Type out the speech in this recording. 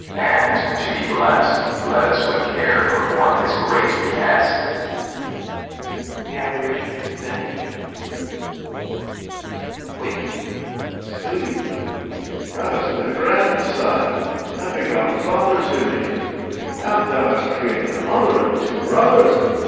and, to be blest, Let us with care perform his great behest. [GHOSTS vanish] POSTHUMUS. [Waking] Sleep, thou has been a grandsire and begot A father to me; and thou hast created A mother and two brothers.